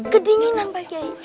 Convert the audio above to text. kedinginan pak giai